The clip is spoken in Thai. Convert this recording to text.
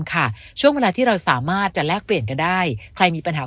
ค่ะช่วงเวลาที่เราสามารถจะแลกเปลี่ยนกันได้ใครมีปัญหา